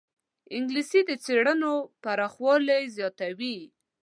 انګلیسي د څېړنو پراخوالی زیاتوي